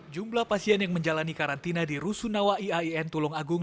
jumlah pasien yang menjalani karantina di rusunawa iain tulung agung